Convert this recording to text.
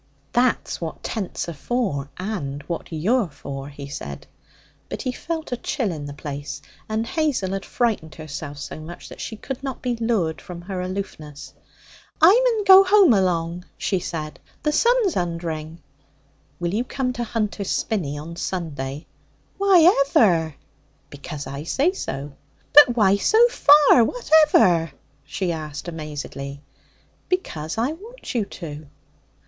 'That's what tents are for, and what you're for,' he said. But he felt a chill in the place, and Hazel had frightened herself so much that she could not be lured from her aloofness. 'I mun go home along,' she said; 'the sun's undering.' 'Will you come to Hunter's Spinney on Sunday?' 'Why ever?' 'Because I say so.' 'But why so far, whatever?' she asked amazedly. 'Because I want you to.'